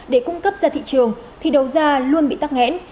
để cung cấp ra thị trường thì đầu ra luôn bị tắc nghẽn